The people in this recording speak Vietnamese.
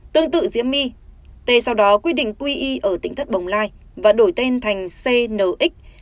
tương tự diễm my tê sau đó quy định qi ở tỉnh thất bồng lai và đổi tên thành cnx